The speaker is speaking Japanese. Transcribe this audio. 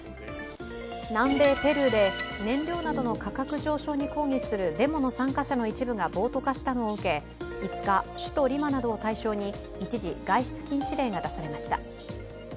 南米ペルーで燃料などの価格上昇に抗議するデモの参加者の一部が暴徒化したのを受け、５日、首都リマなどを対象に一時、外出禁止令が出されました。